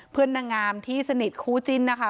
เพื่อนนางามที่สนิทคู่จิ้นนะคะ